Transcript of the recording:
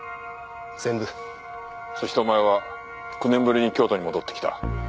そしてお前は９年ぶりに京都に戻って来た。